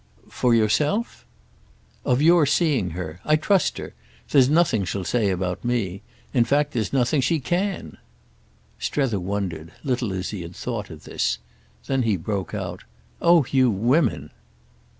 "For yourself—?" "Of your seeing her. I trust her. There's nothing she'll say about me. In fact there's nothing she can." Strether wondered—little as he had thought of this. Then he broke out. "Oh you women!"